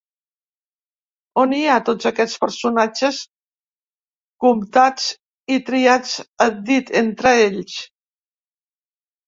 On hi ha tots aquests personatges cooptats i triats a dit entre ells.